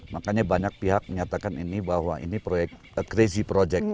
makanya banyak pihak menyatakan ini bahwa ini proyek crazy project